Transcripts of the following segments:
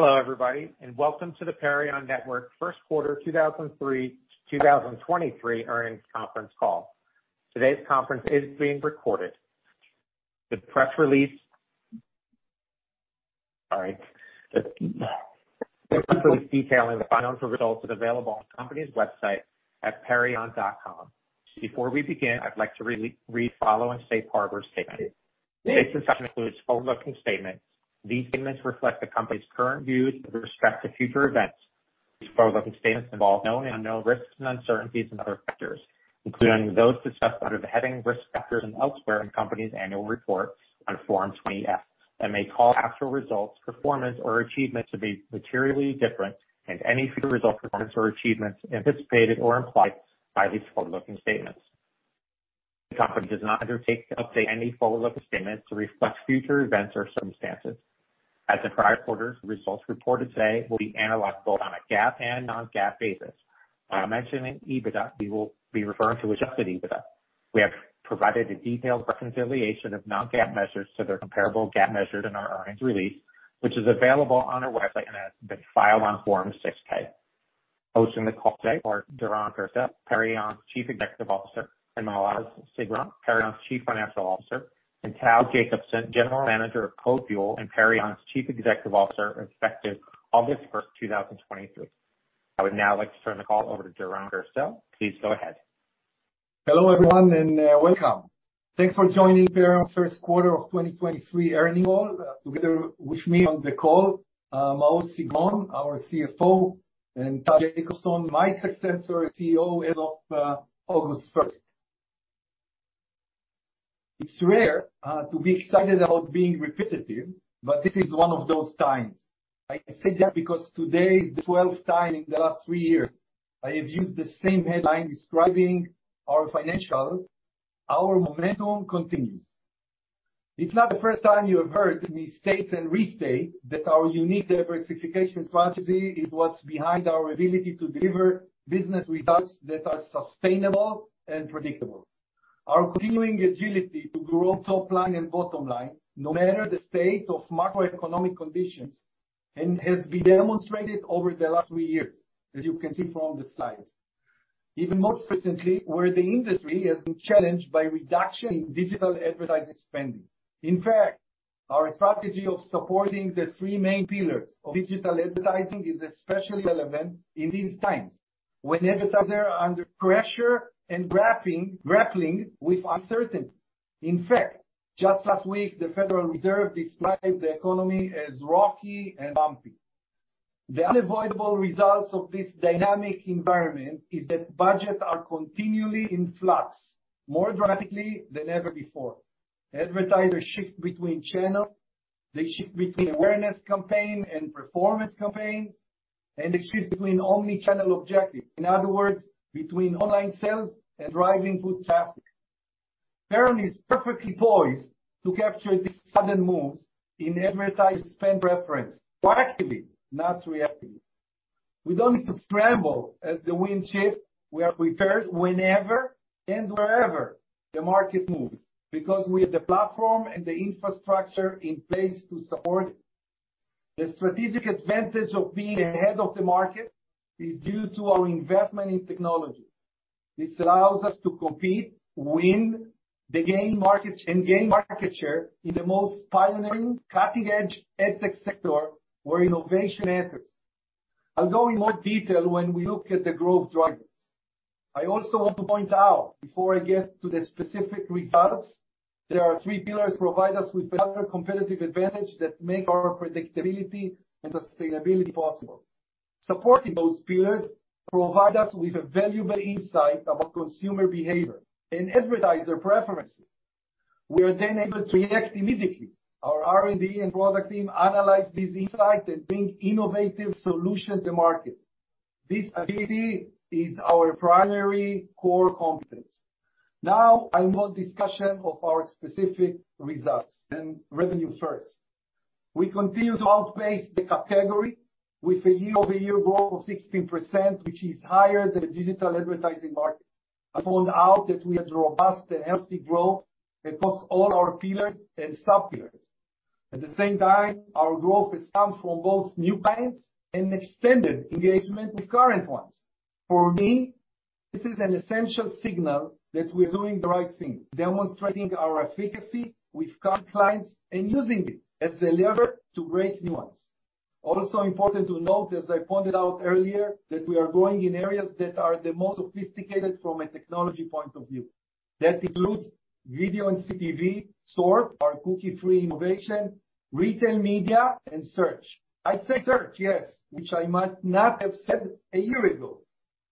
Hello everybody, and welcome to the Perion Network first quarter 2003-2023 earnings conference call. Today's conference is being recorded. The press release detailing the financial results is available on the company's website at perion.com. Before we begin, I'd like to re-read the following safe harbor statement. This discussion includes forward-looking statements. These statements reflect the company's current views with respect to future events. These forward-looking statements involve known and unknown risks and uncertainties and other factors, including those discussed under the heading Risk Factors and elsewhere in the company's annual report on Form 20-F, and may cause actual results, performance or achievements to be materially different, and any future results, performance or achievements anticipated or implied by these forward-looking statements. The company does not undertake to update any forward-looking statements to reflect future events or circumstances. The prior quarter's results reported today will be analyzed both on a GAAP and Non-GAAP basis. When I mention EBITDA, we will be referring to adjusted EBITDA. We have provided a detailed reconciliation of Non-GAAP measures to their comparable GAAP measures in our earnings release, which is available on our website and has been filed on Form 6-K. Hosting the call today are Doron Gerstel, Perion's Chief Executive Officer, and Maoz Sigron, Perion's Chief Financial Officer, and Tal Jacobson, General Manager of CodeFuel and Perion's Chief Executive Officer, effective August 1st, 2023. I would now like to turn the call over to Doron Gerstel. Please go ahead. Hello everyone, welcome. Thanks for joining Perion first quarter of 2023 earning call. Together with me on the call, Maoz Sigron, our CFO, and Tal Jacobson, my successor CEO as of August 1st. It's rare to be excited about being repetitive, this is one of those times. I say that because today is the 12th time in the last three years I have used the same headline describing our financials. Our momentum continues. It's not the 1st time you have heard me state and restate that our unique diversification strategy is what's behind our ability to deliver business results that are sustainable and predictable. Our continuing agility to grow top line and bottom line, no matter the state of macroeconomic conditions, has been demonstrated over the last three years, as you can see from the slides. Even most recently, where the industry has been challenged by reduction in digital advertising spending. In fact, our strategy of supporting the three main pillars of digital advertising is especially relevant in these times, when advertisers are under pressure and grappling with uncertainty. In fact, just last week, the Federal Reserve described the economy as rocky and bumpy. The unavoidable results of this dynamic environment is that budgets are continually in flux, more dramatically than ever before. Advertisers shift between channels, they shift between awareness campaign and performance campaigns, and they shift between omni-channel objectives. In other words, between online sales and driving foot traffic. Perion is perfectly poised to capture these sudden moves in advertiser spend preference. Proactively, not reactively. We don't need to scramble as the winds shift. We are prepared whenever and wherever the market moves, because we have the platform and the infrastructure in place to support it. The strategic advantage of being ahead of the market is due to our investment in technology. This allows us to compete, win the game market and gain market share in the most pioneering, cutting-edge ad tech sector where innovation enters. I'll go in more detail when we look at the growth drivers. I also want to point out, before I get to the specific results, there are three pillars provide us with better competitive advantage that make our predictability and sustainability possible. Supporting those pillars provide us with a valuable insight about consumer behavior and advertiser preferences. We are then able to react immediately. Our R&D and product team analyze these insights and bring innovative solutions to market. This ability is our primary core competence. I want discussion of our specific results and revenue first. We continue to outpace the category with a year-over-year growth of 16%, which is higher than the digital advertising market. I point out that we have robust and healthy growth across all our pillars and sub-pillars. At the same time, our growth has come from both new clients and extended engagement with current ones. For me, this is an essential signal that we're doing the right thing, demonstrating our efficacy with current clients and using it as a lever to raise new ones. Also important to note, as I pointed out earlier, that we are growing in areas that are the most sophisticated from a technology point of view. That includes video and CTV, SORT, our cookie-free innovation, retail media, and search. I say search, yes, which I might not have said a year ago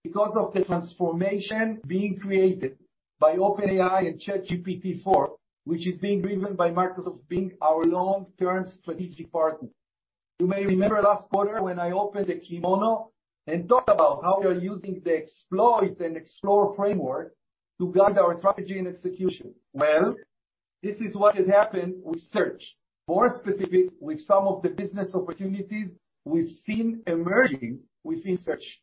because of the transformation being created by OpenAI and ChatGPT-4, which is being driven by Microsoft being our long-term strategic partner. You may remember last quarter when I opened the kimono and talked about how we are using the exploit and explore framework to guide our strategy and execution. This is what has happened with search. More specific, with some of the business opportunities we've seen emerging within search.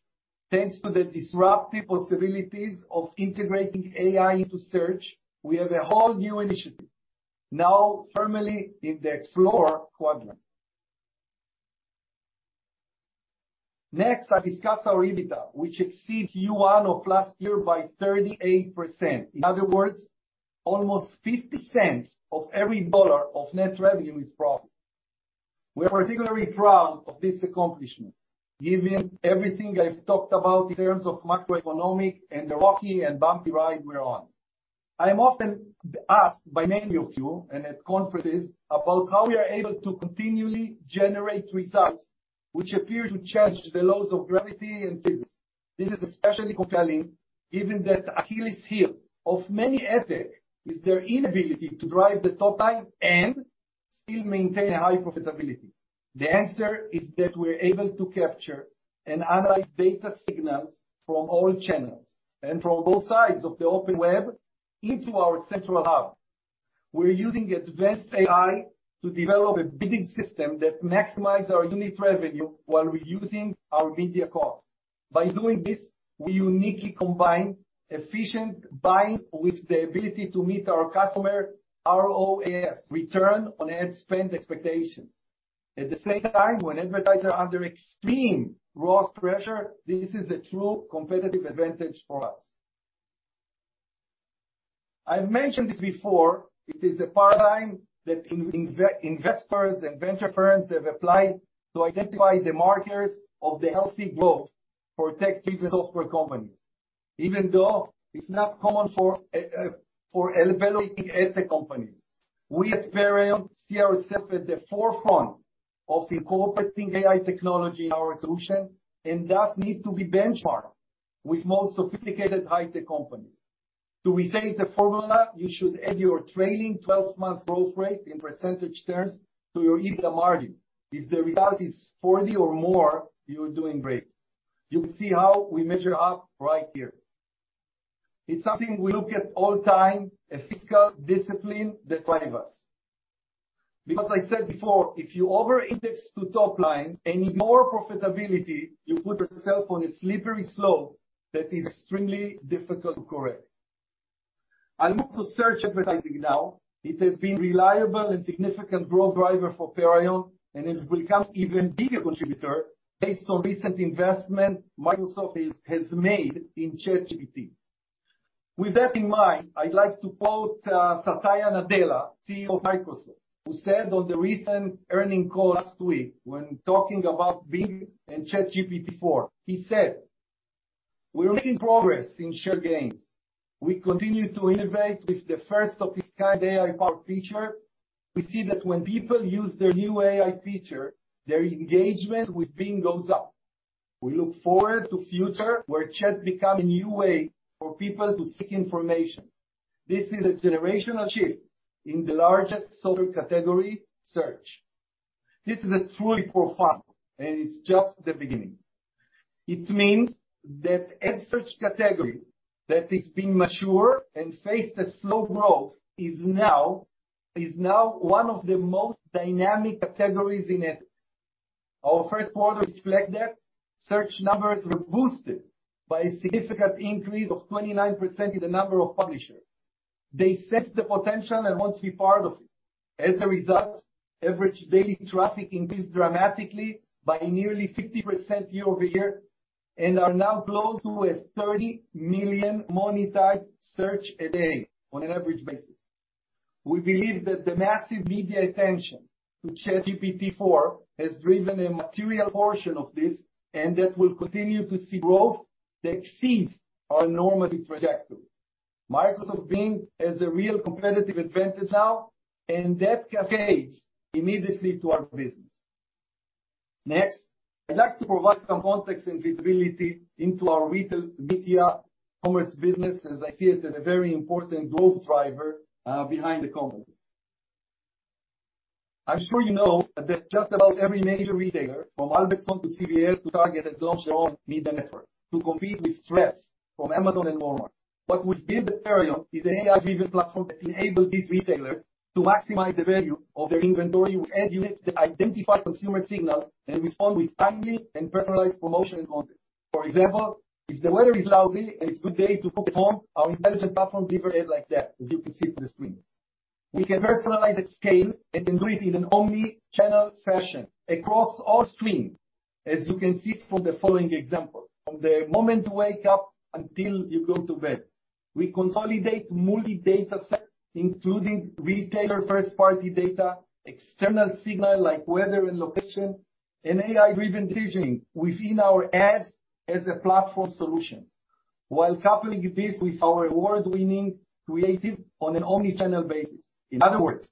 Thanks to the disruptive possibilities of integrating AI into search, we have a whole new initiative now firmly in the explore quadrant. Next, I'll discuss our EBITDA, which exceeds Q1 of last year by 38%. In other words, almost $0.50 of every dollar of net revenue is profit. We are particularly proud of this accomplishment, given everything I've talked about in terms of macroeconomic and the rocky and bumpy ride we're on. I am often asked by many of you and at conferences about how we are able to continually generate results which appear to change the laws of gravity and physics. This is especially compelling given that Achilles' heel of many AdTech is their inability to drive the top line and still maintain a high profitability. The answer is that we're able to capture and analyze data signals from all channels and from both sides of the open web into our central hub. We're using advanced AI to develop a bidding system that maximize our unit revenue while reducing our media costs. By doing this, we uniquely combine efficient buying with the ability to meet our customer ROAS, return on ad spend expectations. At the same time, when advertisers are under extreme ROAS pressure, this is a true competitive advantage for us. I've mentioned this before, it is a paradigm that investors and venture firms have applied to identify the markers of the healthy growth for tech-driven software companies, even though it's not common for evaluating ad-tech companies. We at Perion see ourselves at the forefront of incorporating AI technology in our solution and thus need to be benchmarked with more sophisticated high-tech companies. To restate the formula, you should add your trailing 12-month growth rate in percentage terms to your EBITDA margin. If the result is 40 or more, you're doing great. You'll see how we measure up right here. It's something we look at all time, a fiscal discipline that drive us. I said before, if you over-index to top line and ignore profitability, you put yourself on a slippery slope that is extremely difficult to correct. I'll move to search advertising now. It has been reliable and significant growth driver for Perion, and it will become even bigger contributor based on recent investment Microsoft has made in ChatGPT. With that in mind, I'd like to quote Satya Nadella, CEO of Microsoft, who said on the recent earnings call last week when talking about Bing and GPT-4. He said, "We're making progress in shared gains. We continue to innovate with the first-of-its-kind AI power features. We see that when people use their new AI feature, their engagement with Bing goes up. We look forward to future where chat become a new way for people to seek information. This is a generational shift in the largest software category search." This is a truly profound, and it's just the beginning. It means that ad search category that is being mature and faced a slow growth is now one of the most dynamic categories in AdTech. Our first quarter reflect that. Search numbers were boosted by a significant increase of 29% in the number of publishers. They sense the potential and want to be part of it. As a result, average daily traffic increased dramatically by nearly 50% year-over-year and are now close to 30 million monetized search a day on an average basis. We believe that the massive media attention to GPT-4 has driven a material portion of this, and that we'll continue to see growth that exceeds our normative trajectory. Microsoft Bing is a real competitive advantage now. That cascades immediately to our business. Next, I'd like to provide some context and visibility into our retail media commerce business, as I see it as a very important growth driver behind the company. I'm sure you know that just about every major retailer from Albertsons to CVS to Target has launched their own media network to compete with threats from Amazon and Walmart. What we build at Perion is an AI-driven platform that enables these retailers to maximize the value of their inventory with ad units that identify consumer signals and respond with timely and personalized promotions content. For example, if the weather is lousy and it's good day to cook at home, our intelligent platform delivers ads like that, as you can see it in the screen. We can personalize at scale and can do it in an omni-channel fashion across all streams, as you can see from the following example. From the moment you wake up until you go to bed, we consolidate multi-data sets, including retailer first-party data, external signal like weather and location, and AI-driven visioning within our ads as a platform solution. While coupling this with our award-winning creative on an omni-channel basis. In other words,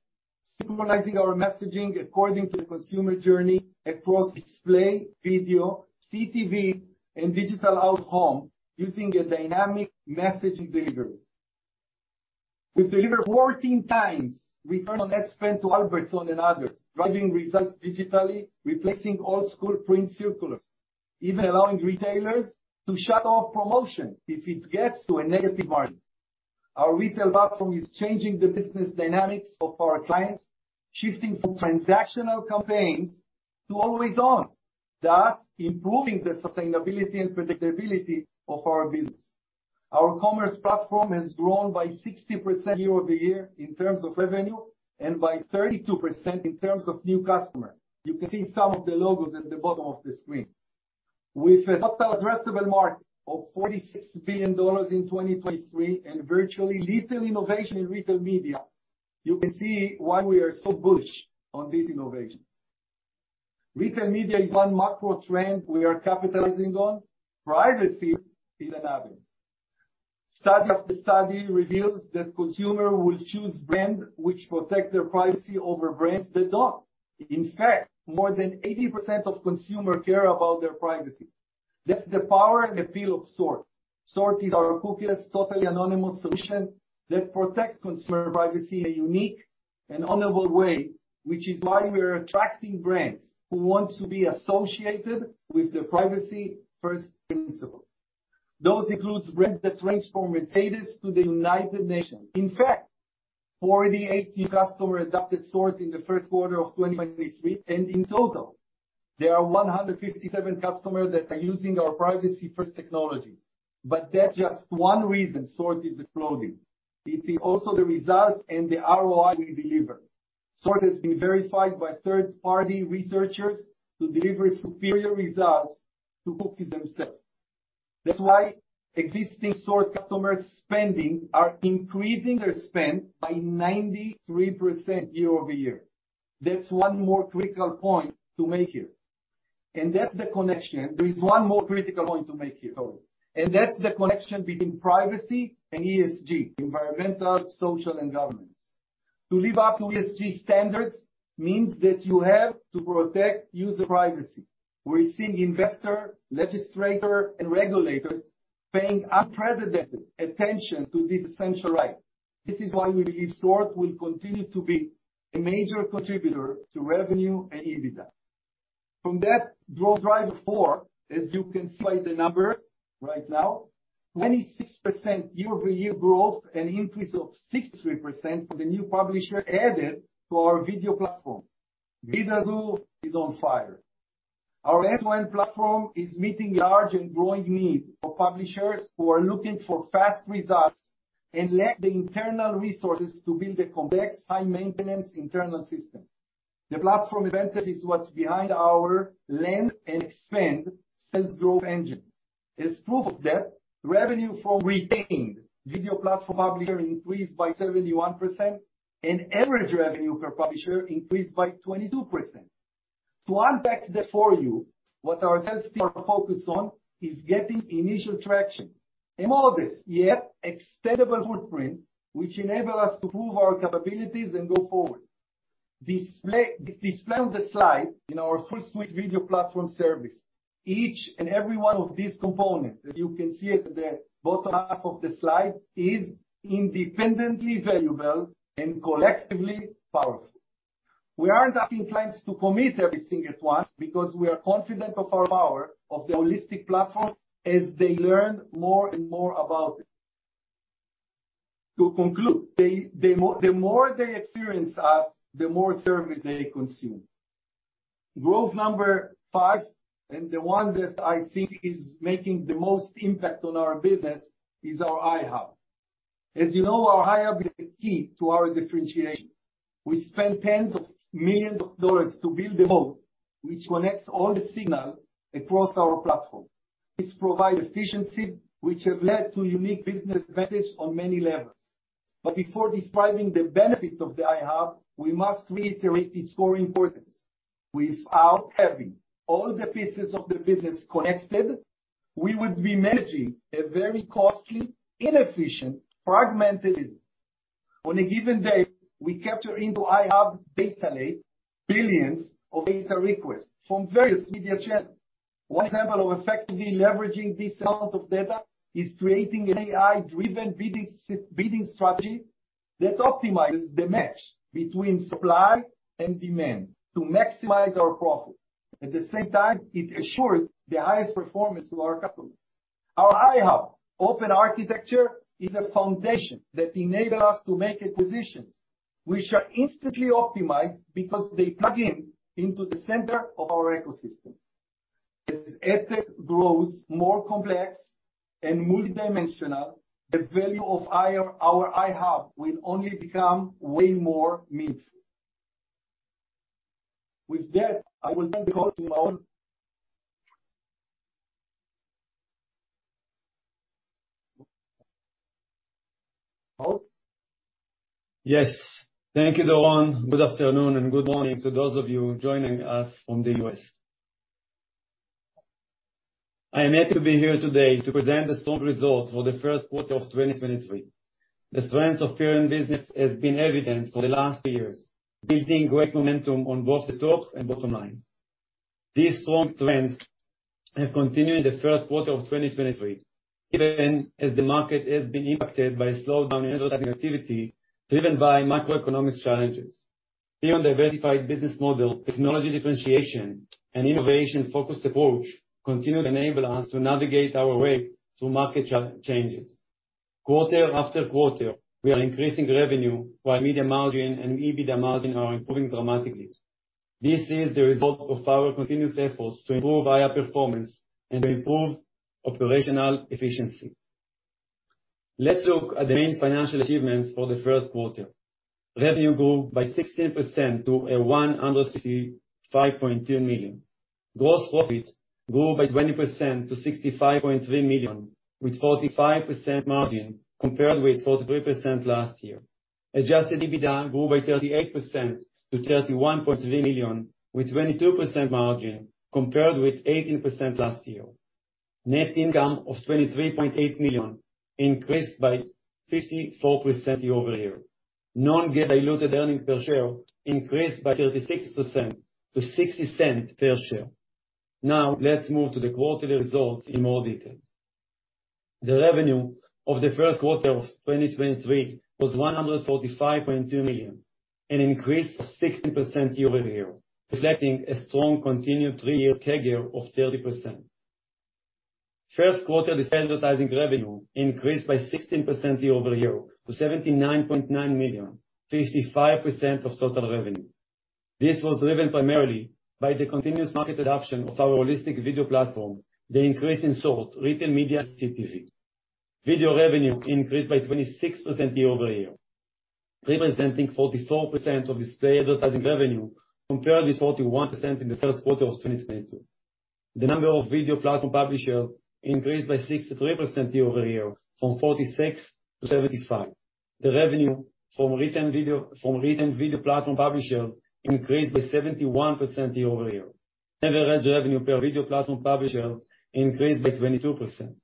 synchronizing our messaging according to the consumer journey across display, video, CTV, and digital out-of-home using a dynamic messaging delivery. We deliver 14 times return on ad spend to Albertsons and others, driving results digitally, replacing old-school print circulars. Even allowing retailers to shut off promotion if it gets to a negative margin. Our retail platform is changing the business dynamics of our clients, shifting from transactional campaigns to always on, thus improving the sustainability and predictability of our business. Our commerce platform has grown by 60% year-over-year in terms of revenue and by 32% in terms of new customer. You can see some of the logos at the bottom of the screen. With a total addressable market of $46 billion in 2023 and virtually little innovation in retail media, you can see why we are so bullish on this innovation. Retail media is one macro trend we are capitalizing on. Privacy is another. Study after study reveals that consumer will choose brand which protect their privacy over brands that don't. In fact, more than 80% of consumer care about their privacy. That's the power and appeal of Sort. Sort is our cookieless, totally anonymous solution that protects consumer privacy a unique and honorable way, which is why we are attracting brands who want to be associated with the privacy-first principle. Those includes brands that range from Mercedes to the United Nations. In fact, 48 new customer adopted Sort in the first quarter of 2023, and in total, there are 157 customers that are using our privacy-first technology. That's just one reason Sort is exploding. It is also the results and the ROI we deliver. Sort has been verified by third-party researchers to deliver superior results to cookies themselves. That's why existing Sort customers spending are increasing their spend by 93% year-over-year. That's one more critical point to make here. That's the connection. There is one more critical point to make here, though, and that's the connection between privacy and ESG, environmental, social, and governance. To live up to ESG standards means that you have to protect user privacy. We're seeing investor, legislator, and regulators paying unprecedented attention to this essential right. This is why we believe SORT will continue to be a major contributor to revenue and EBITDA. From that growth driver four, as you can see the numbers right now, 26% year-over-year growth and increase of 63% for the new publisher added to our video platform. Vidazoo is on fire. Our end-to-end platform is meeting large and growing need for publishers who are looking for fast results and lack the internal resources to build a complex, high-maintenance internal system. The platform advantage is what's behind our land and expand sales growth engine. As proof of that, revenue from retained video platform publisher increased by 71% and average revenue per publisher increased by 22%. Unpack that for you, what our sales team are focused on is getting initial traction. In all this, we have extendable footprint which enable us to prove our capabilities and go forward. Displayed on the slide in our full suite video platform service, each and every one of these components, as you can see at the bottom half of the slide, is independently valuable and collectively powerful. We aren't asking clients to commit everything at once because we are confident of our power of the holistic platform as they learn more and more about it. Conclude, the more they experience us, the more service they consume. Growth number 5, the one that I think is making the most impact on our business, is our iHub. As you know, our iHub is the key to our differentiation. We spend tens of millions of dollars to build a hub which connects all the signal across our platform. This provide efficiencies which have led to unique business advantage on many levels. Before describing the benefit of the iHub, we must reiterate its core importance. Without having all the pieces of the business connected, we would be managing a very costly, inefficient, fragmented business. On a given day, we capture into iHub daily billions of data requests from various media channels. One example of effectively leveraging this amount of data is creating an AI-driven bidding strategy that optimizes the match between supply and demand to maximize our profit. At the same time, it assures the highest performance to our customers. Our iHUB open architecture is a foundation that enable us to make acquisitions which are instantly optimized because they plug in into the center of our ecosystem. As ad-tech grows more complex and multidimensional, the value of our iHUB will only become way more meaningful. With that, I will turn it over to Maoz. Maoz? Yes. Thank you, Doron. Good afternoon, and good morning to those of you joining us from the U.S. I am happy to be here today to present the strong results for the first quarter of 2023. The strength of Perion business has been evident for the last two years, building great momentum on both the top and bottom lines. These strong trends have continued in the first quarter of 2023, even as the market has been impacted by a slowdown in advertising activity driven by macroeconomic challenges. Beyond diversified business model, technology differentiation and innovation-focused approach continue to enable us to navigate our way through market changes. Quarter after quarter, we are increasing revenue while media margin and EBITDA margin are improving dramatically. This is the result of our continuous efforts to improve higher performance and to improve operational efficiency. Let's look at the main financial achievements for the first quarter. Revenue grew by 16% to $165.2 million. Gross profit grew by 20% to $65.3 million, with 45% margin compared with 43% last year. Adjusted EBITDA grew by 38% to $31.3 million, with 22% margin compared with 18% last year. Net income of $23.8 million increased by 54% year-over-year. Non-GAAP diluted earnings per share increased by 36% to $0.60 per share. Let's move to the quarterly results in more detail. The revenue of the first quarter of 2023 was $145.2 million, an increase of 60% year-over-year, reflecting a strong continued three-year CAGR of 30%. First quarter display advertising revenue increased by 16% year-over-year to $79.9 million, 55% of total revenue. This was driven primarily by the continuous market adoption of our holistic video platform, the increase in SORT, retail media, CTV. Video revenue increased by 26% year-over-year, representing 44% of display advertising revenue compared with 41% in the first quarter of 2022. The number of video platform publisher increased by 63% year-over-year from 46%-75%. The revenue from retail video platform publisher increased by 71% year-over-year. Average revenue per video platform publisher increased by 22%.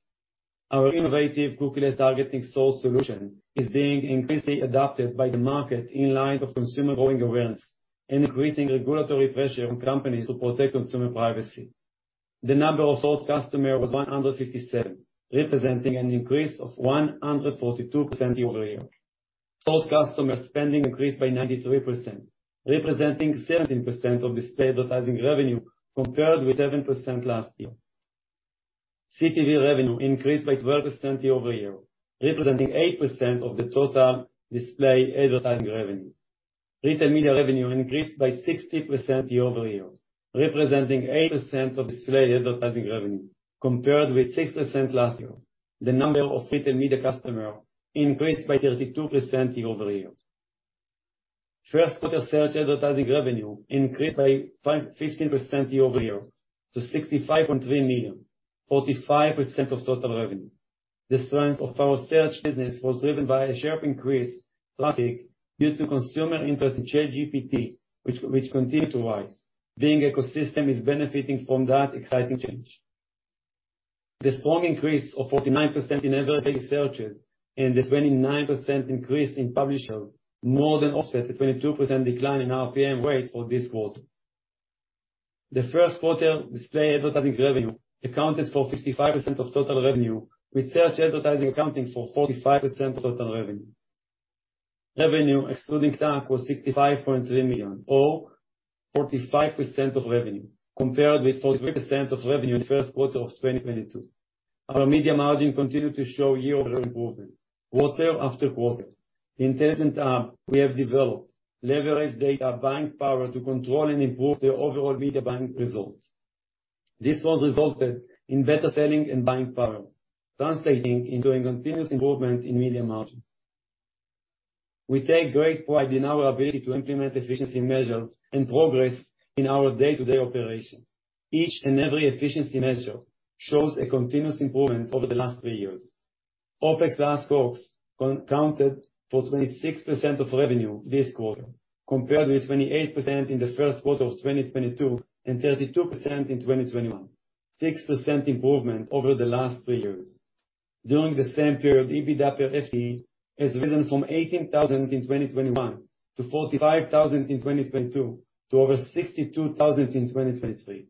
Our innovative cookieless targeting SORT solution is being increasingly adopted by the market in light of consumer growing awareness and increasing regulatory pressure on companies to protect consumer privacy. The number of SORT customer was 167, representing an increase of 142% year-over-year. SORT customer spending increased by 93%, representing 17% of display advertising revenue compared with 7% last year. CTV revenue increased by 12% year-over-year, representing 8% of the total display advertising revenue. Retail media revenue increased by 60% year-over-year, representing 8% of display advertising revenue compared with 6% last year. The number of retail media customer increased by 32% year-over-year. First quarter search advertising revenue increased by 15% year-over-year to $65.3 million, 45% of total revenue. The strength of our search business was driven by a sharp increase last week due to consumer interest in ChatGPT, which continued to rise. Bing ecosystem is benefiting from that exciting change. The strong increase of 49% in average day searches and the 29% increase in publisher more than offset the 22% decline in RPM rates for this quarter. The first quarter display advertising revenue accounted for 55% of total revenue, with search advertising accounting for 45% of total revenue. Revenue excluding tax was $65.3 million or 45% of revenue compared with 43% of revenue in the first quarter of 2022. Our media margin continued to show year-over-year improvement quarter after quarter. The iHUB we have developed leverage data buying power to control and improve the overall media buying results. This was resulted in better selling and buying power, translating into a continuous improvement in media margin. We take great pride in our ability to implement efficiency measures and progress in our day-to-day operations. Each and every efficiency measure shows a continuous improvement over the last three years. OPEX last costs accounted for 26% of revenue this quarter compared with 28% in the first quarter of 2022 and 32% in 2021. 6% improvement over the last three years. During the same period, EBITDA FTE has risen from 18,000 in 2021 to 45,000 in 2022 to over 62,000 in 2023.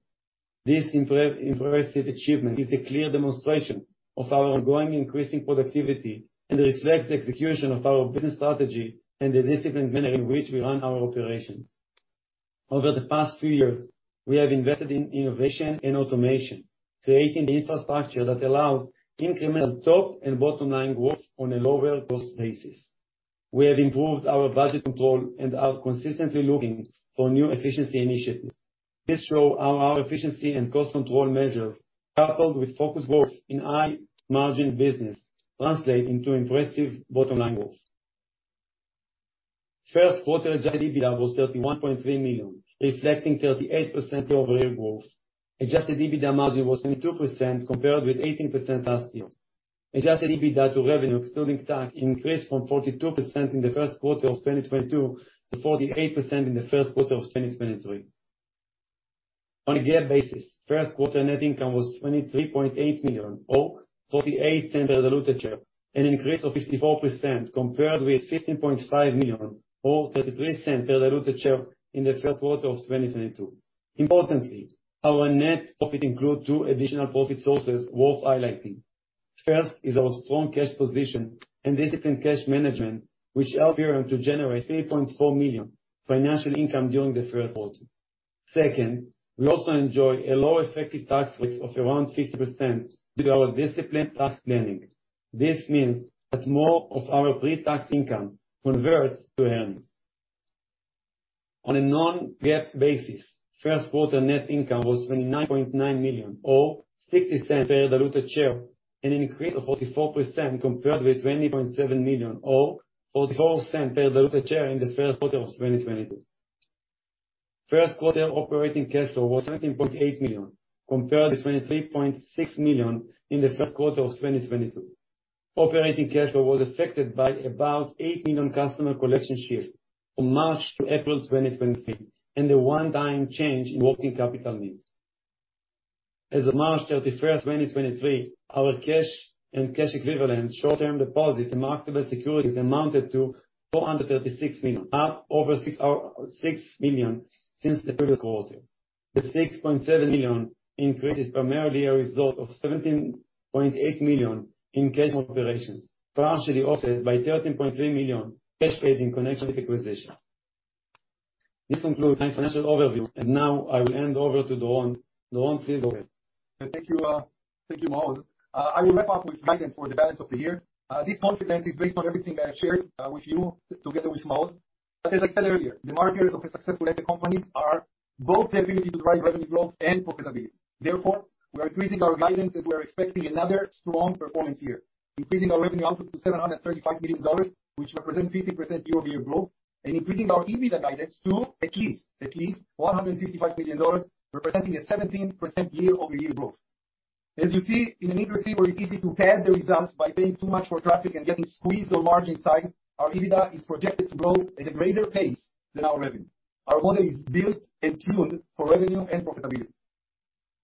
This impressive achievement is a clear demonstration of our ongoing increasing productivity and reflects the execution of our business strategy and the disciplined manner in which we run our operations. Over the past few years, we have invested in innovation and automation, creating the infrastructure that allows incremental top and bottom line growth on a lower cost basis. We have improved our budget control and are consistently looking for new efficiency initiatives. This show our efficiency and cost control measures, coupled with focused growth in high-margin business, translate into impressive bottom line growth. First quarter EBITDA was $31.3 million, reflecting 38% year-over-year growth. Adjusted EBITDA margin was 22% compared with 18% last year. Adjusted EBITDA to revenue excluding tax increased from 42% in the first quarter of 2022 to 48% in the first quarter of 2023. On a GAAP basis, first quarter net income was $23.8 million or $0.48 per diluted share, an increase of 54% compared with $15.5 million or $0.33 per diluted share in the first quarter of 2022. Importantly, our net profit include two additional profit sources worth highlighting. First is our strong cash position and disciplined cash management, which helped Perion to generate $3.4 million financial income during the first quarter. Second, we also enjoy a low effective tax rate of around 50% due to our disciplined tax planning. This means that more of our pre-tax income converts to earnings. On a Non-GAAP basis, first quarter net income was $29.9 million or $0.60 per diluted share, an increase of 44% compared with $20.7 million or $0.44 per diluted share in the first quarter of 2022. First quarter operating cash flow was $17.8 million, compared to $23.6 million in the first quarter of 2022. Operating cash flow was affected by about $8 million customer collection shift from March to April 2023, and the one-time change in working capital needs. As of March 31st, 2023, our cash and cash equivalents, short-term deposits, and marketable securities amounted to $436 million, up over $6 million since the previous quarter. The $6.7 million increase is primarily a result of $17.8 million in cash from operations, partially offset by $13.3 million cash paid in connection with acquisitions. This concludes my financial overview, and now I will hand over to Doron. Doron, please go ahead. Thank you, thank you, Moaz. I will wrap up with guidance for the balance of the year. This confidence is based on everything that I shared with you together with Moaz. As I said earlier, the markers of a successful ad company are both the ability to drive revenue growth and profitability. Therefore, we are increasing our guidance as we are expecting another strong performance year, increasing our revenue output to $735 million, which represent 50% year-over-year growth, and increasing our EBITDA guidance to at least $165 million, representing a 17% year-over-year growth. As you see, in an industry where it's easy to pad the results by paying too much for traffic and getting squeezed on margin side, our EBITDA is projected to grow at a greater pace than our revenue. Our model is built and tuned for revenue and profitability.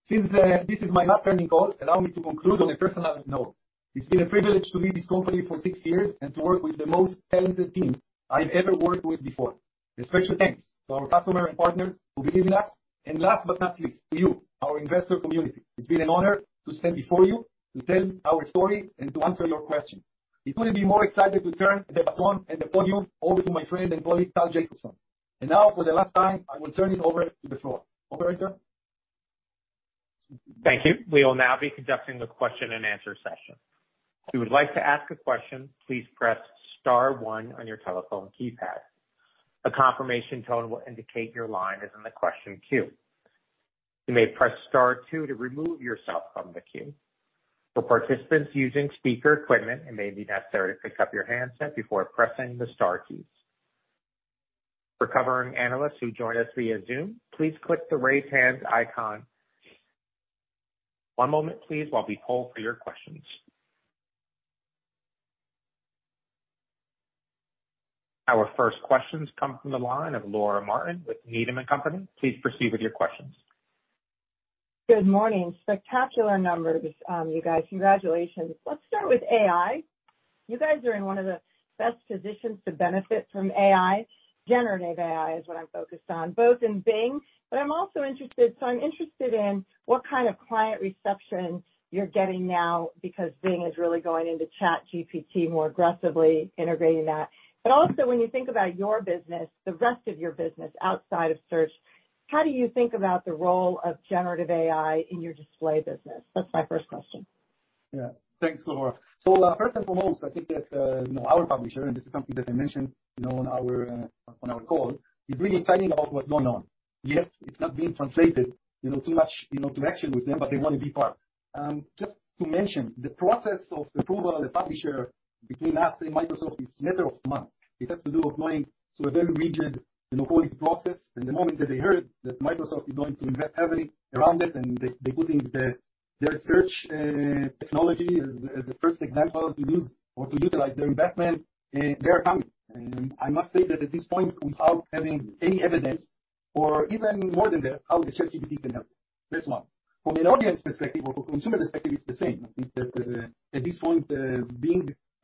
Since this is my last earning call, allow me to conclude on a personal note. It's been a privilege to lead this company for six years and to work with the most talented team I've ever worked with before. A special thanks to our customers and partners who believe in us, and last but not least, to you, our investor community. It's been an honor to stand before you, to tell our story, and to answer your questions. I couldn't be more excited to turn the baton and the podium over to my friend and colleague, Tal Jacobson. Now, for the last time, I will turn it over to the floor. Operator? Thank you. We will now be conducting the question and answer session. If you would like to ask a question, please press star one on your telephone keypad. A confirmation tone will indicate your line is in the question queue. You may press star two to remove yourself from the queue. For participants using speaker equipment, it may be necessary to pick up your handset before pressing the star keys. For covering analysts who join us via Zoom, please click the Raise Hand icon. One moment, please, while we poll for your questions. Our first questions come from the line of Laura Martin with Needham & Company. Please proceed with your questions. Good morning. Spectacular numbers, you guys. Congratulations. Let's start with AI. You guys are in one of the best positions to benefit from AI. Generative AI is what I'm focused on, both in Bing, but I'm interested in what kind of client reception you're getting now because Bing is really going into ChatGPT more aggressively integrating that. Also when you think about your business, the rest of your business outside of search, how do you think about the role of generative AI in your display business? That's my first question. Thanks, Laura. First and foremost, I think that, you know, our publisher, and this is something that I mentioned, you know, on our call, is really excited about what's going on. It's not being translated, you know, too much, you know, to action with them, but they want to be part. Just to mention, the process of approval of the publisher between us and Microsoft is matter of months. It has to do with going through a very rigid, you know, holding process. The moment that they heard that Microsoft is going to invest heavily around it and they putting their search technology as the first example to use or to utilize their investment, they're coming. I must say that at this point, without having any evidence or even more than that, how the ChatGPT can help. That's one. From an audience perspective or consumer perspective, it's the same. I think that at this point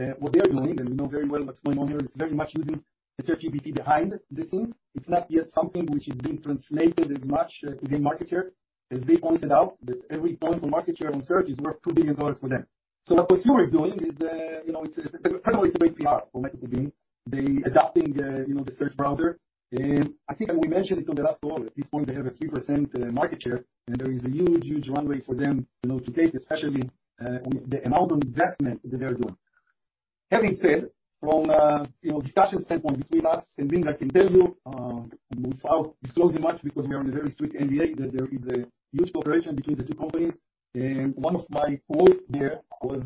Bing what they are doing, and we know very well what's going on here, is very much using the ChatGPT behind the scene. It's not yet something which is being translated as much within market share. As they pointed out that every point of market share on search is worth $2 billion for them. What consumer is doing is, you know, it's... First of all it's great PR for Microsoft Bing. They adopting, you know, the search browser. I think we mentioned it on the last call. At this point they have a 3% market share, and there is a huge, huge runway for them, you know, to take, especially on the amount of investment that they're doing. Having said, from, you know, discussion standpoint between us and Bing, I can tell you, without disclosing much because we are on a very strict NDA, that there is a huge cooperation between the two companies. One of my quote here was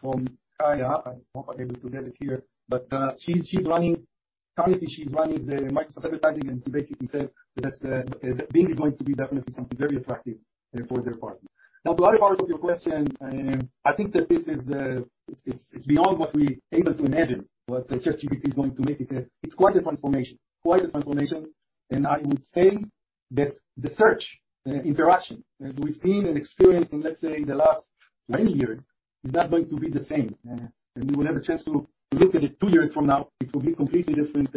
from Kaya. I hope I'm able to get it here, but currently, she's running the Microsoft Advertising, and she basically said that Bing is going to be definitely something very attractive for their partners. Now to other part of your question, I think that this is, it's beyond what we're able to imagine what the ChatGPT is going to make. It's quite a transformation. Quite a transformation. I would say that the search interaction, as we've seen and experienced in, let's say, in the last 20 years, is not going to be the same. We will have a chance to look at it two years from now. It will be completely different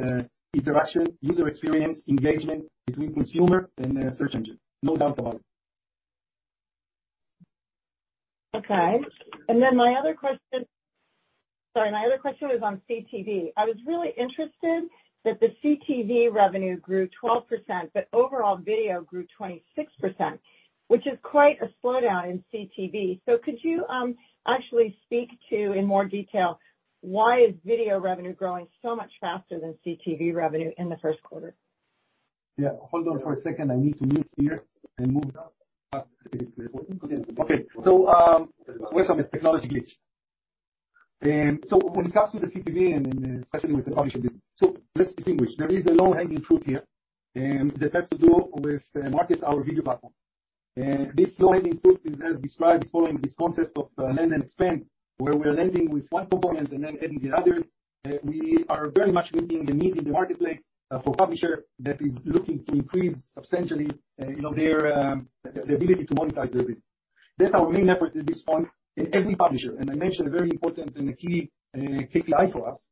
interaction, user experience, engagement between consumer and search engine. No doubt about it. Okay. My other question was on CTV. I was really interested that the CTV revenue grew 12%, but overall video grew 26%, which is quite a slowdown in CTV. Could you actually speak to in more detail why is video revenue growing so much faster than CTV revenue in the first quarter? Yeah. Hold on for a second. I need to move here and move Okay. where some technology glitch. When it comes to the CTV and especially with the publishing business. Let's distinguish. There is a low-hanging fruit here that has to do with market our video platform. This low-hanging fruit is as described, following this concept of lend and expand, where we are lending with one component and then adding the other. We are very much meeting the need in the marketplace for publisher that is looking to increase substantially, you know, their the ability to monetize their business. That's our main effort at this point in every publisher. I mentioned a very important and a key KPI for us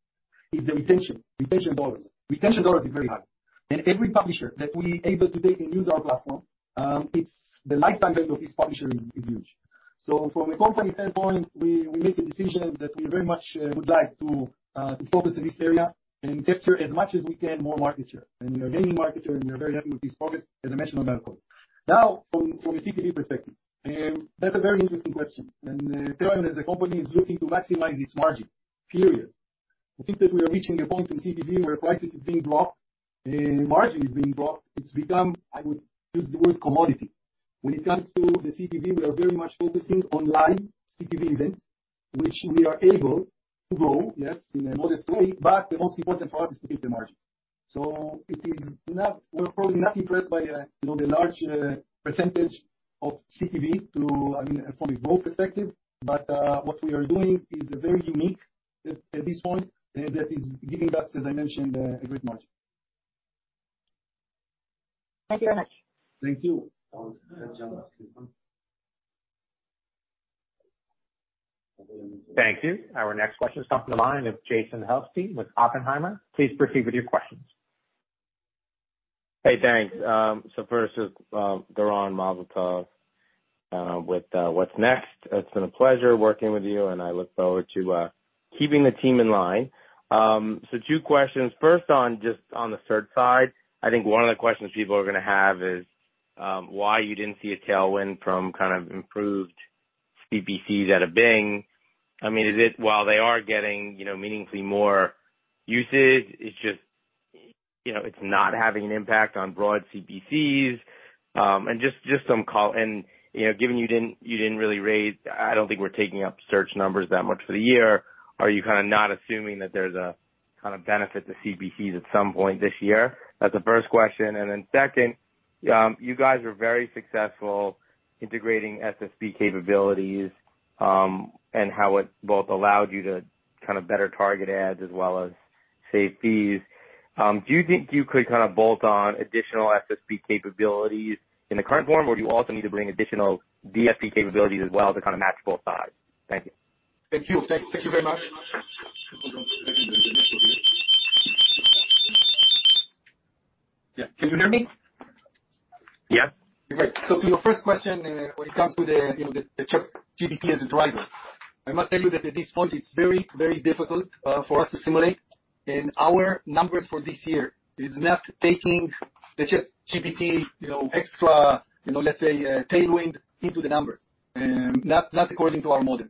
is the retention. Retention dollars. Retention dollars is very high. Every publisher that we able to take and use our platform, it's the lifetime value of each publisher is huge. From a company standpoint, we make a decision that we very much would like to focus in this area and capture as much as we can more market share. We are gaining market share, and we are very happy with this progress, as I mentioned on that call. From a CTV perspective, that's a very interesting question. Currently the company is looking to maximize its margin, period. I think that we are reaching a point in CTV where prices is being blocked, margin is being blocked. It's become, I would use the word, commodity. When it comes to the CTV, we are very much focusing online CTV event, which we are able to grow, yes, in a modest way, but the most important for us is to keep the margin. We're probably not impressed by, you know, the large percentage of CTV to, I mean, from a growth perspective, but, what we are doing is very unique at this point, that is giving us, as I mentioned, a great margin. Thank you very much. Thank you. Thank you. Our next question is coming to the line of Jason Helfstein with Oppenheimer. Please proceed with your questions. Hey, thanks. First, Doron, mazel tov, with what's next. It's been a pleasure working with you, and I look forward to keeping the team in line. 2 questions. First on just on the search side, I think one of the questions people are gonna have is why you didn't see a tailwind from kind of improved CPCs out of Bing. I mean, is it while they are getting, you know, meaningfully more usage, it's just, you know, it's not having an impact on broad CPCs? Just some call and, you know, given you didn't really raise, I don't think we're taking up search numbers that much for the year. Are you kind of not assuming that there's a kind of benefit to CPCs at some point this year? That's the first question. Second, you guys are very successful integrating SSP capabilities, and how it both allowed you to kind of better target ads as well as save fees. Do you think you could kind of bolt on additional SSP capabilities in the current form, or do you also need to bring additional DSP capabilities as well to kind of match both sides? Thank you. Thank you. Thank you very much. Yeah. Can you hear me? Yeah. Great. To your first question, when it comes to the, you know, the ChatGPT as a driver, I must tell you that at this point, it's very, very difficult for us to simulate. Our numbers for this year is not taking the ChatGPT, you know, extra, you know, let's say, tailwind into the numbers. Not according to our model.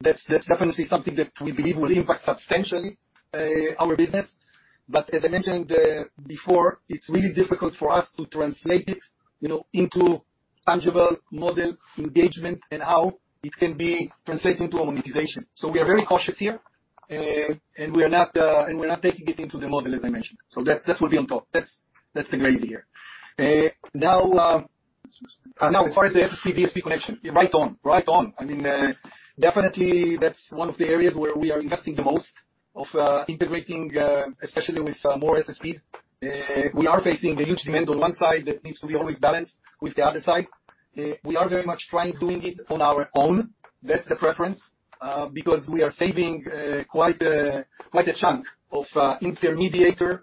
That's definitely something that we believe will impact substantially our business. As I mentioned before, it's really difficult for us to translate it, you know, into tangible model engagement and how it can be translated into a monetization. We are very cautious here, and we're not taking it into the model as I mentioned. That's what we on top. That's the gravy here. Now as far as the SSP DSP connection, you're right on. Right on. I mean, definitely that's one of the areas where we are investing the most of integrating especially with more SSPs. We are facing the huge demand on one side that needs to be always balanced with the other side. We are very much trying doing it on our own. That's the preference because we are saving quite a, quite a chunk of intermediator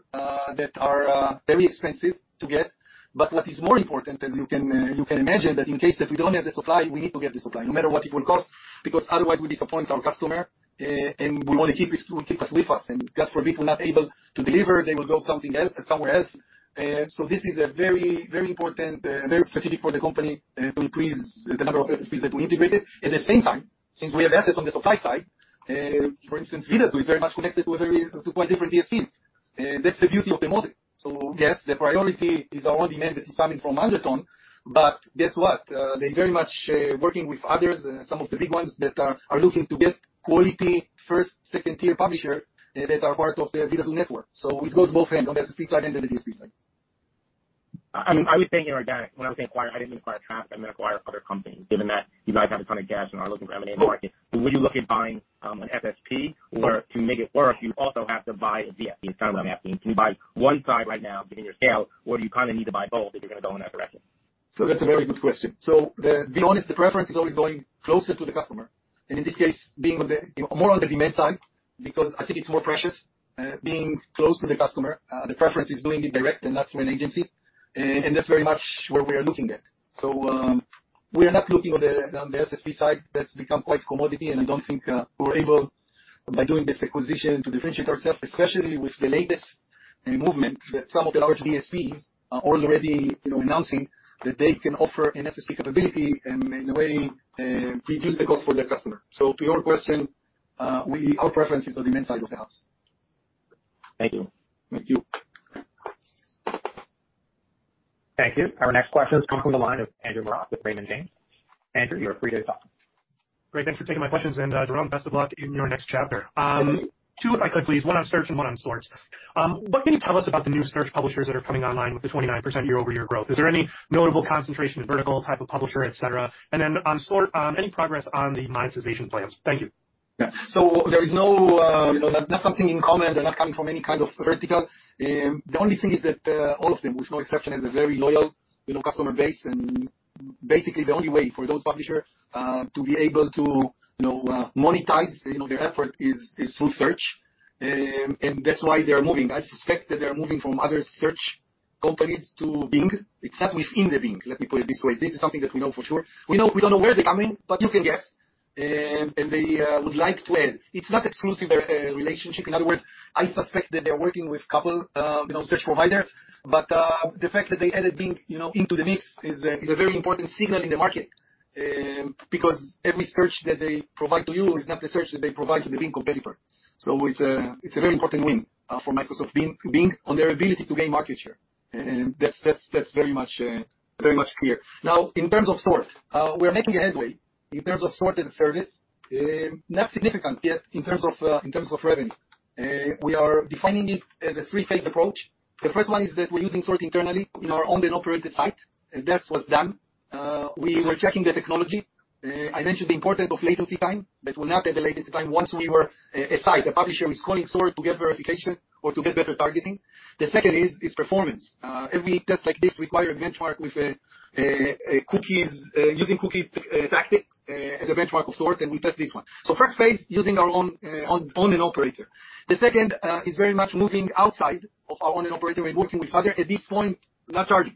that are very expensive to get. What is more important, as you can imagine, that in case that we don't have the supply, we need to get the supply no matter what it will cost, because otherwise we disappoint our customer and we want to keep us with us. God forbid, we're not able to deliver, they will go somewhere else. This is a very, very important, very strategic for the company, to increase the number of SSPs that we integrated. At the same time, since we have asset on the supply side, for instance, Vidazoo is very much connected to quite different DSPs. That's the beauty of the model. Yes, the priority is our own demand that is coming from Undertone. Guess what? They very much working with others, some of the big ones that are looking to get quality first, second-tier publisher, that are part of the Vidazoo network. It goes both end, on the SSP side and the DSP side. I was thinking organic. When I was saying acquire, I didn't mean acquire traffic, I meant acquire other companies, given that you guys have a ton of cash and are looking for M&A market. Would you look at buying an FSP? To make it work, you also have to buy a DSP instead of an FSP. Can you buy one side right now given your scale, or do you kinda need to buy both if you're gonna go in that direction? That's a very good question. To be honest, the preference is always going closer to the customer, and in this case, being more on the demand side, because I think it's more precious, being close to the customer. The preference is doing it direct and not through an agency. That's very much where we are looking at. we are not looking on the, on the SSP side. That's become quite commodity, and I don't think we're able by doing this acquisition to differentiate ourselves, especially with the latest movement, that some of the large DSPs are already, you know, announcing that they can offer an SSP capability and in a way, reduce the cost for their customer. To your question, our preference is on the demand side of the house. Thank you. Thank you. Thank you. Our next question is coming from the line of Andrew Marok with Raymond James. Andrew, you are free to talk. Great. Thanks for taking my questions. Doron, best of luck in your next chapter. Two, if I could please, one on search and one on SORT. What can you tell us about the new search publishers that are coming online with the 29% year-over-year growth? Is there any notable concentration, vertical type of publisher, etc? Then on SORT, any progress on the monetization plans? Thank you. Yeah. There is no, you know, something in common. They're not coming from any kind of vertical. The only thing is that all of them, with no exception, has a very loyal, you know, customer base. Basically the only way for those publisher to be able to, you know, monetize, you know, their effort is through search. That's why they are moving. I suspect that they are moving from other search companies to Bing, except within the Bing. Let me put it this way. This is something that we know for sure. We don't know where they're coming, but you can guess. They would like to add. It's not exclusive relationship. In other words, I suspect that they're working with couple, you know, search providers. The fact that they added Bing, you know, into the mix is a very important signal in the market, because every search that they provide to you is not the search that they provide to the Bing competitor. It's a very important win for Microsoft Bing on their ability to gain market share. That's very much clear. Now, in terms of SORT, we are making a headway in terms of SORT as a service, not significant yet in terms of revenue. We are defining it as a three-phase approach. The first one is that we're using SORT internally in our owned and operated site, and that was done. We were checking the technology. I mentioned the importance of latency time, that will not add the latency time once we were a site. The publisher is calling SORT to get verification or to get better targeting. The second is performance. Every test like this require a benchmark with cookies tactics as a benchmark of SORT, and we test this one. First phase, using our own and operator. The second is very much moving outside of our own and operator and working with other. At this point, not hard.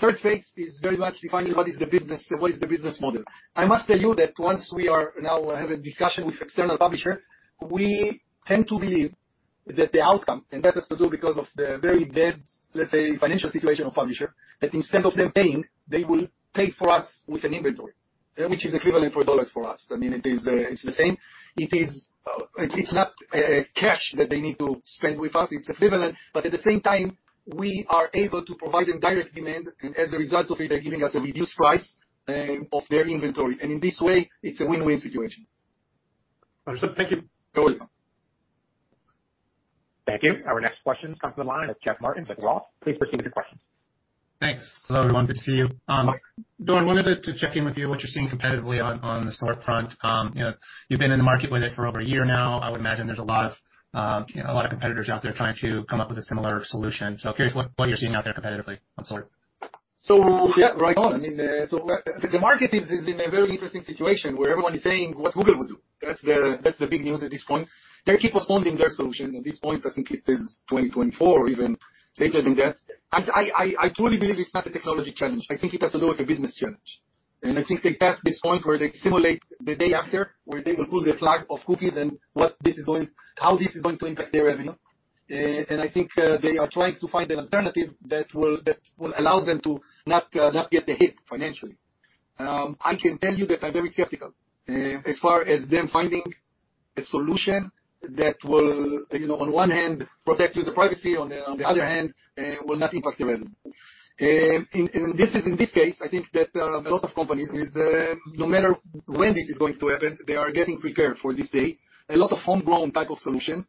Third phase is very much defining what is the business, what is the business model. I must tell you that once we are now having discussion with external publisher, we tend to believe that the outcome, and that has to do because of the very bad, let's say, financial situation of publisher, that instead of them paying, they will pay for us with an inventory, which is equivalent for $ for us. I mean, it is, it's the same. It's not cash that they need to spend with us, it's equivalent. At the same time, we are able to provide them direct demand, and as a result of it, they're giving us a reduced price of their inventory. In this way it's a win-win situation. Understood. Thank you. No worries. Thank you. Our next question comes from the line of Jeff Martin with Roth. Please proceed with your question. Thanks. Hello, everyone. Good to see you. Doron, wanted to check in with you what you're seeing competitively on the SORT front. you know, you've been in the market with it for over a year now. I would imagine there's a lot of, you know, a lot of competitors out there trying to come up with a similar solution. Curious what you're seeing out there competitively on SORT. Yeah, right on. I mean, the market is in a very interesting situation where everyone is saying what Google would do. That's the big news at this point. They keep postponing their solution. At this point, I think it is 2024 or even later than that. I truly believe it's not a technology challenge. I think it has to do with a business challenge. I think they passed this point where they simulate the day after, where they will pull the plug of cookies and how this is going to impact their revenue. I think they are trying to find an alternative that will allow them to not get the hit financially. I can tell you that I'm very skeptical, as far as them finding a solution that will, you know, on one hand protect user privacy, on the other hand, will not impact their revenue. In this case, I think that a lot of companies is, no matter when this is going to happen, they are getting prepared for this day. A lot of homegrown type of solution.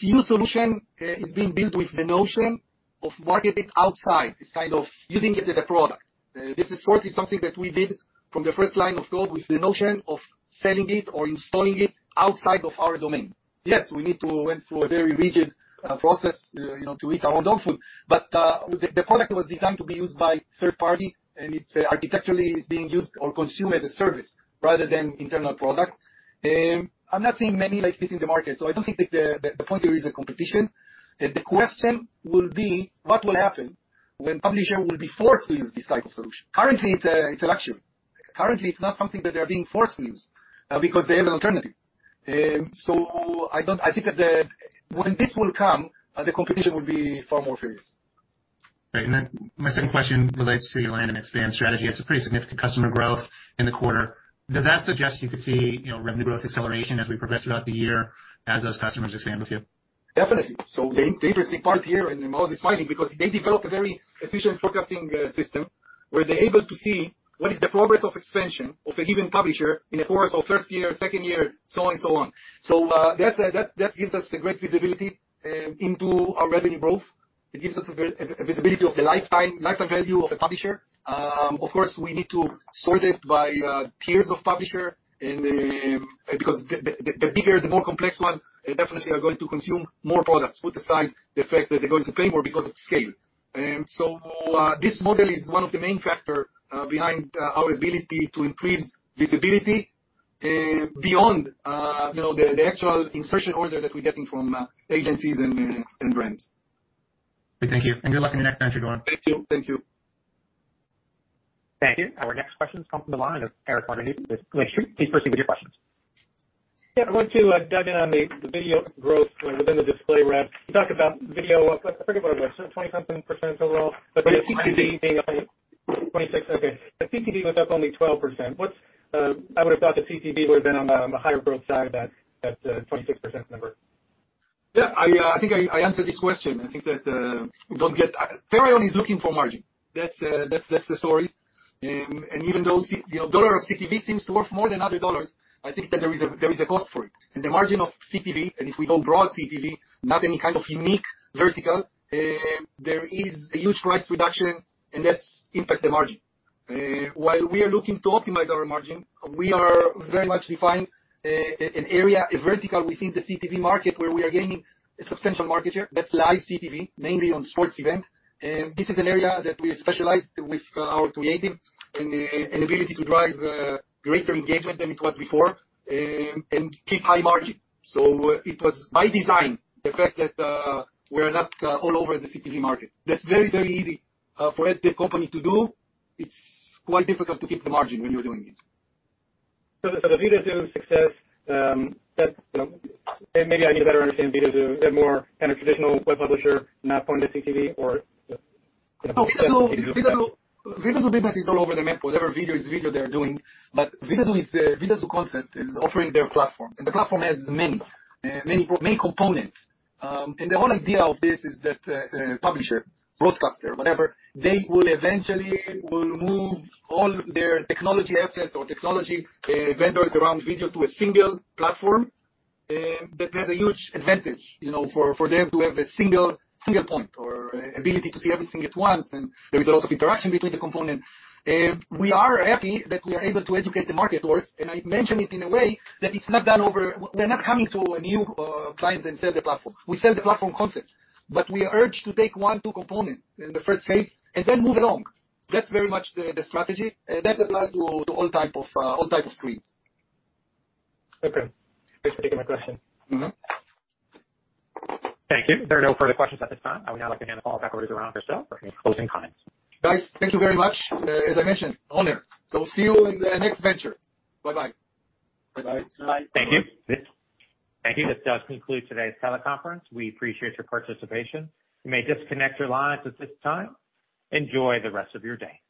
Few solution is being built with the notion of market it outside. It's kind of using it as a product. This is SORT is something that we did from the first line of code with the notion of selling it or installing it outside of our domain. Yes, we need to went through a very rigid process, you know, to eat our own dog food. The product was designed to be used by third party, and it's architecturally being used or consumed as a service rather than internal product. I'm not seeing many like this in the market, so I don't think that the point there is a competition. The question will be what will happen when publisher will be forced to use this type of solution. Currently it's election. Currently it's not something that they are being forced to use because they have an alternative. I think that when this will come, the competition will be far more serious. Right. My second question relates to your land and expand strategy. It's a pretty significant customer growth in the quarter. Does that suggest you could see, you know, revenue growth acceleration as we progress throughout the year as those customers expand with you? Definitely. The interesting part here, and Moaz is smiling because they developed a very efficient forecasting system where they're able to see what is the progress of expansion of a given publisher in the course of first year, second year, so on and so on. That gives us a great visibility into our revenue growth. It gives us a very visibility of the lifetime value of a publisher. Of course, we need to sort it by peers of publisher and because the bigger, the more complex one, definitely are going to consume more products, put aside the fact that they're going to pay more because of scale. This model is one of the main factors behind our ability to increase visibility beyond, you know, the actual insertion order that we're getting from agencies and brands. Okay, thank you. Good luck in your next venture, Doron. Thank you. Thank you. Thank you. Our next question comes from the line of Eric with Lake Street. Please proceed with your questions. Yeah. I want to dive in on the video growth within the display rev. You talked about video up, like, I forget what it was, twenty-something% overall. CTV. CTV being up 26%, okay. CTV was up only 12%. I would have thought that CTV would have been on a higher growth side of that 26% number. Yeah. I think I answered this question. I think that Perion is looking for margin. That's the story. Even though you know, $1 of CTV seems to worth more than other $, I think that there is a cost for it. The margin of CTV, and if we don't broad CTV, not any kind of unique vertical, there is a huge price reduction, and that's impact the margin. While we are looking to optimize our margin, we are very much defined an area, a vertical within the CTV market where we are gaining a substantial market share. That's live CTV, mainly on sports event. This is an area that we specialize with our creative and ability to drive greater engagement than it was before and keep high margin. It was by design, the fact that we're not all over the CTV market. That's very, very easy for any company to do. It's quite difficult to keep the margin when you're doing it. The Vidazoo success, that, you know, maybe I need a better understanding of Vidazoo. They're more kind of traditional web publisher, not focused CTV or. Vidazoo business is all over the map. Whatever video is video they're doing. Vidazoo concept is offering their platform, and the platform has many components. The whole idea of this is that a publisher, broadcaster, whatever, they will eventually will move all their technology assets or technology vendors around video to a single platform that has a huge advantage, you know, for them to have a single point or ability to see everything at once. There is a lot of interaction between the component. We are happy that we are able to educate the market towards, and I mention it in a way that it's not done over... We're not coming to a new client and sell the platform. We sell the platform concept, but we urge to take one, two component in the first phase and then move along. That's very much the strategy, and that apply to all type of screens. Okay. Thanks for taking my question. Mm-hmm. Thank you. There are no further questions at this time. I would now like to hand the call back over to Doron Gerstel for any closing comments. Guys, thank you very much. As I mentioned, honor. We'll see you in the next venture. Bye-bye. Bye-bye. Thank you. Thank you. This does conclude today's teleconference. We appreciate your participation. You may disconnect your lines at this time. Enjoy the rest of your day.